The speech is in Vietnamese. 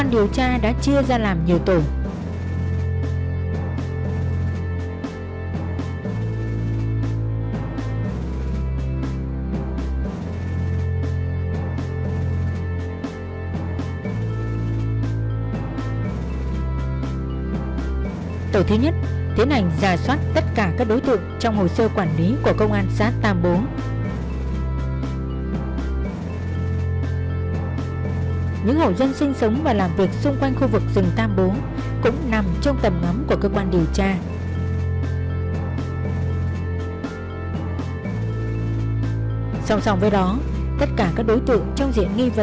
để subscribe kênh lalaschool để không bỏ lỡ những clip nè m stability apprendre